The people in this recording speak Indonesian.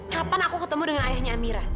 kapan aku ketemu dengan ayahnya amira